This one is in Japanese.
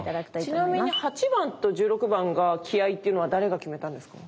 ちなみに８番と１６番が気合いっていうのは誰が決めたんですか？